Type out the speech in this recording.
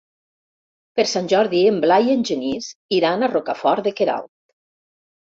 Per Sant Jordi en Blai i en Genís iran a Rocafort de Queralt.